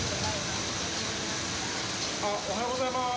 おはようございます。